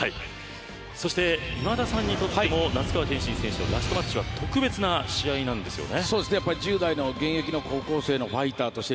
そして今田さんにとっても那須川天心のラストマッチは特別な試合なんですよね。